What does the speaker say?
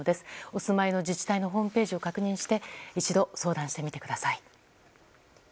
お住まいの自治体のホームページを確認して一度相談してみてください。